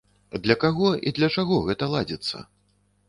Для каго і для чаго гэта ладзіцца?